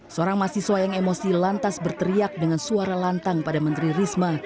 seorang mahasiswa yang emosi lantas berteriak dengan suara lantang pada menteri risma